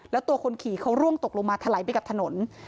แล้วตัวคนขี่เขาร่วงตกลงมาถลายไปกับถนน